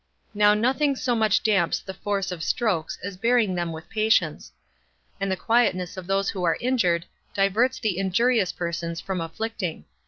Now nothing so much damps the force of strokes as bearing them with patience; and the quietness of those who are injured diverts the injurious persons from afflicting.